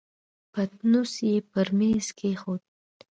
پتنوس يې پر مېز کېښود.